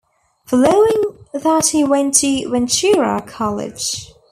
Following that he went to Ventura College.